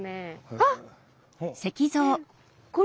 あっ！